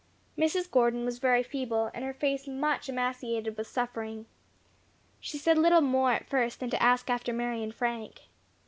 Mrs. Gordon was very feeble, and her face much emaciated with suffering. She said little more at first than to ask after Mary and Frank.